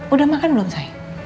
udah makan belum say